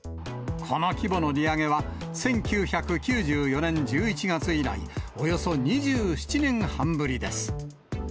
この規模の利上げは、１９９４年１１月以来、およそ２７年半ぶりです。